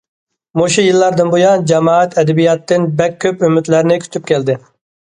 مۇشۇ يىللاردىن بۇيان، جامائەت ئەدەبىياتتىن بەك كۆپ ئۈمىدلەرنى كۈتۈپ كەلدى.